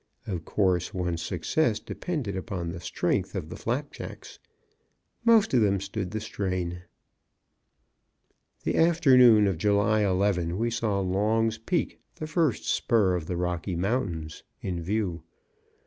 Of course, one's success depended upon the strength of the flapjacks. Most of them stood the strain. The afternoon of July 11, we saw Long's Peak, the first spur of the Rocky Mountains, in view.